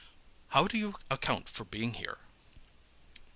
How do you account for being here?"